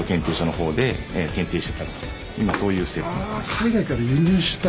あ海外から輸入した。